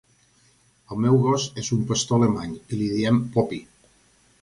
El meu gos és un pastor alemany, li diem 'Poppy'.